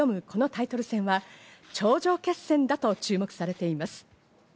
このタイトル戦は、頂上決戦だと注目されています。